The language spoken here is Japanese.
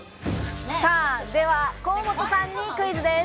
では河本さんにクイズです。